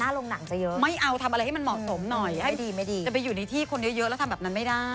ใช่ไม่เอาทำอะไรให้มันเหมาะสมหน่อยแต่ไปอยู่ในที่คนเยอะแล้วทำแบบนั้นไม่ได้